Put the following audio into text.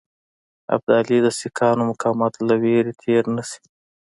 ابدالي د سیکهانو مقاومت له وېرې تېر نه شي.